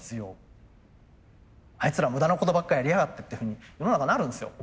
「あいつら無駄なことばっかやりやがって」っていうふうに世の中なるんですよ。